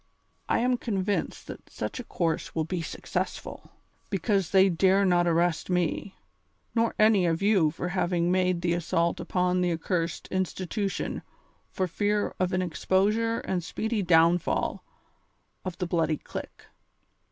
"• I am convinced that such a course will be successful ; 13 194 THE SOCIAL WAR OF 1900; OR, because they dare not arrest me, nor any of you for having made the assault upon the accursed institution for fear of an exposure and speedy downfall of the bloody clique."